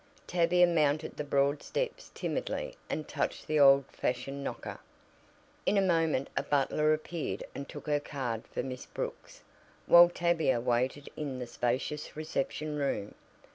Tavia mounted the broad steps timidly and touched the old fashioned knocker. In a moment a butler appeared and took her card for Miss Brooks, while Tavia waited in the spacious reception room.